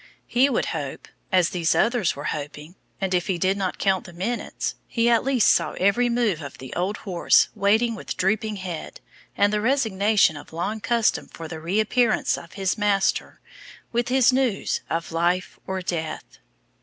He would hope, as these others were hoping, and if he did not count the minutes, he at least saw every move of the old horse waiting with drooping head and the resignation of long custom for the re appearance of his master with his news of life or death.